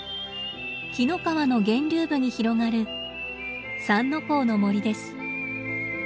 紀の川の源流部に広がる「三之公の森」です。